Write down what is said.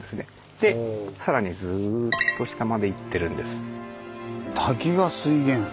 でさらにずっと下までいってるんです。